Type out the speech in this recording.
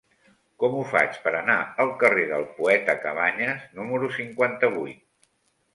Com ho faig per anar al carrer del Poeta Cabanyes número cinquanta-vuit?